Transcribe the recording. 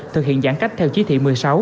thực hiện giãn cách theo chí thị một mươi sáu